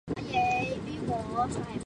北美最高峰迪纳利山位于园内。